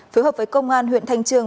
phối hợp với công an huyện thanh trương